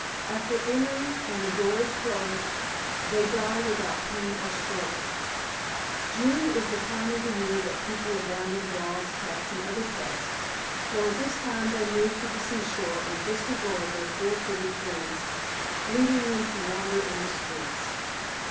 After entering and the door is closed, they die without pain or struggle. June is the time of year that people abandon dogs, cats and other pets, for at this time they move to the seashore and disregard their four footed friends, leaving them to wander in the streets.